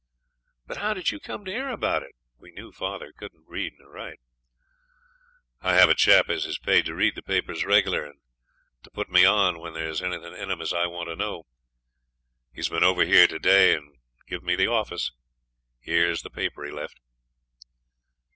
'But how did you come to hear about it?' We knew father couldn't read nor write. 'I have a chap as is paid to read the papers reg'lar, and to put me on when there's anything in 'em as I want to know. He's bin over here to day and give me the office. Here's the paper he left.'